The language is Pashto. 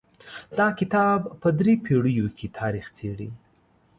دا کتاب په درې پېړیو کې تاریخ څیړي.